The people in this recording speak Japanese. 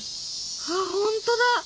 あっほんとだ！